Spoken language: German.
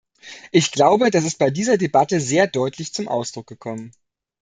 Ich glaube, das ist bei dieser Debatte sehr deutlich zum Ausdruck gekommen.